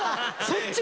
そっち？